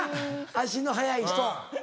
足の速い人。